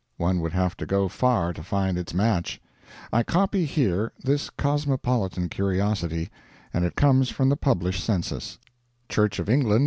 One would have to go far to find its match. I copy here this cosmopolitan curiosity, and it comes from the published census: Church of England